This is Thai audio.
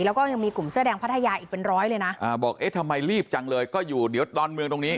แล้วก็ยังมีกลุ่มเสื้อแดงพัทยาอีกเป็นร้อยเลยนะอ่าบอกเอ๊ะทำไมรีบจังเลยก็อยู่เดี๋ยวดอนเมืองตรงนี้